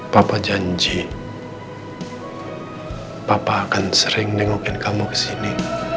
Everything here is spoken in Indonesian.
papa janji papa akan sering dengokin kamu kesini